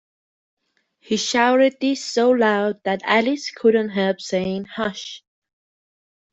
He shouted this so loud that Alice couldn’t help saying, ‘Hush!’